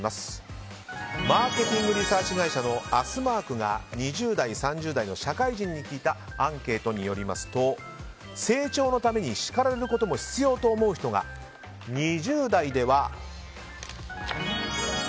マーケティングリサーチ会社のアスマークが２０代３０代の社会人に聞いたアンケートによりますと成長のために叱られることも必要と思う人が２０代では５３．５％。